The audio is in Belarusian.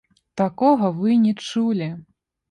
Такога вы не чулі!